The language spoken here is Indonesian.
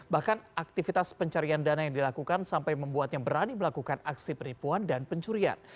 bahkan aktivitas pencarian dana yang dilakukan sampai membuatnya berani melakukan aksi penipuan dan pencurian